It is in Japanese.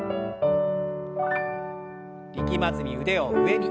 力まずに腕を上に。